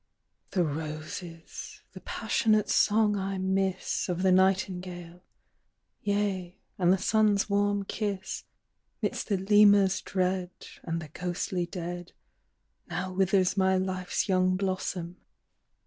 "The roses, the passionate song I miss Of the nightingale; yea, and the sun's warm kiss. Midst the Lemur's dread, And the ghostly dead, Now withers my life's young blossom.